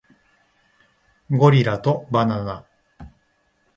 ゴリラとバナナ